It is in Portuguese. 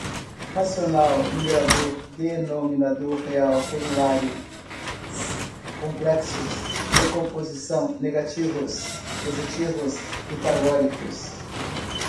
racional, numerador, denominador, real, regulares, complexos, decomposição, negativos, positivos, pitagóricos